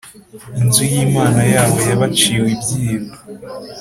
Inzu y’Imana yabo y’abaciwe ibyiru